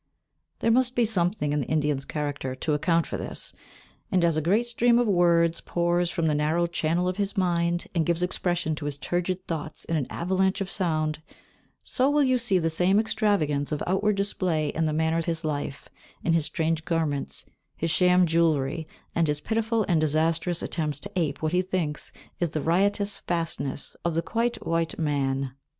There must be something in the Indian's character to account for this; and, as a great stream of words pours from the narrow channel of his mind, and gives expression to his turgid thoughts in an avalanche of sound, so you will see the same extravagance of outward display in the manner of his life, in his strange garments, his sham jewellery, and his pitiful and disastrous attempts to ape what he thinks is the riotous "fastness" of the quite white man.